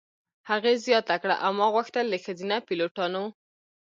هغې زیاته کړه: "او ما غوښتل د ښځینه پیلوټانو.